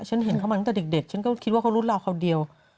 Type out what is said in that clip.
ฉันเห็นเขามาตั้งแต่เด็กฉันก็คิดว่าเขารุ่นเราคนเดียว